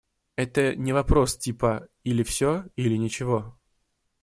Это не вопрос типа "или все, или ничего".